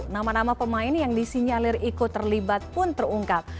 nama nama pemain yang disinyalir ikut terlibat pun terungkap